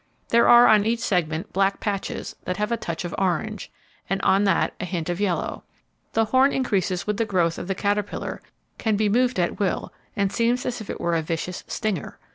There are on each segment black patches, that have a touch of orange, and on that a hint of yellow. The horn increases with the growth of the caterpillar, can be moved at will, and seems as if it were a vicious 'stinger.'